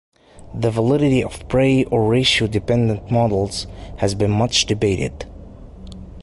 The validity of prey or ratio dependent models has been much debated.